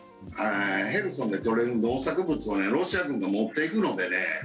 ヘルソンで取れる農作物をロシア軍が持っていくのでね。